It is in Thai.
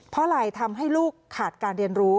เพราะอะไรทำให้ลูกขาดการเรียนรู้